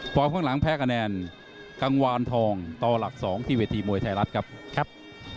ข้างหลังแพ้คะแนนกังวานทองต่อหลัก๒ที่เวทีมวยไทยรัฐครับครับ